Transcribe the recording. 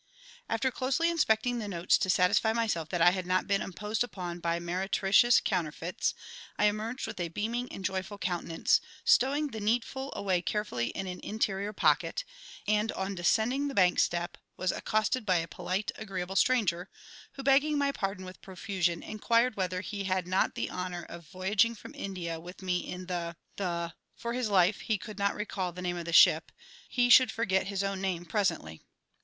"] After closely inspecting the notes to satisfy myself that I had not been imposed upon by meretricious counterfeits, I emerged with a beaming and joyful countenance, stowing the needful away carefully in an interior pocket, and, on descending the bank step, was accosted by a polite, agreeable stranger, who, begging my pardon with profusion, inquired whether he had not had the honour of voyaging from India with me in the the for his life he could not recall the name of the ship he should forget his own name presently!